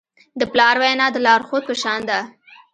د پلار وینا د لارښود په شان ده.